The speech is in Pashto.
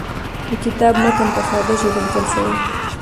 د کتاب متن په ساده ژبه لیکل سوی دی.